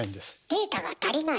データが足りない？